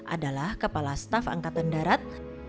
adalah kepala staf angkatan darat